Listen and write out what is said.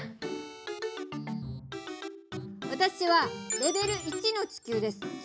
わたしはレベル１の地球です。